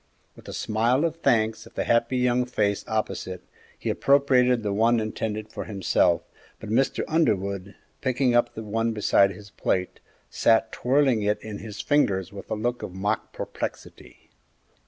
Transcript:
With a smile of thanks at the happy young face opposite, he appropriated the one intended for himself, but Mr. Underwood, picking up the one beside his plate, sat twirling it in his fingers with a look of mock perplexity.